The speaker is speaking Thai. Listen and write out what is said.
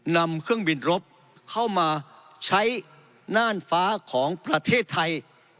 นำเครื่องบินรบเข้ามาใช้น่านฟ้าของประเทศไทย